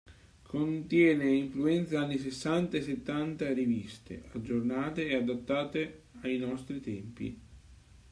Contiene influenze anni sessanta e settanta riviste, aggiornate e adattate ai nostri tempi.